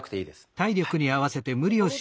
はい。